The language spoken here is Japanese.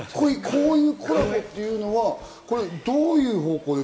こういうコラボっていうのはどういう方向で？